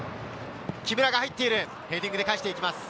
木村が入っている、ヘディングで返していきます。